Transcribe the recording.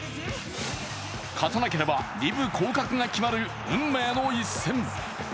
勝たなければ２部降格が決まる運命の一戦。